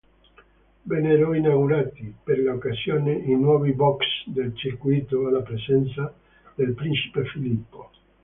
Vennero inaugurati, per l'occasione, i nuovi "box" del circuito, alla presenza del Principe Filippo.